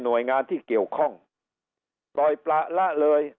โดยงานที่เกี่ยวข้องปล่อยประละเลย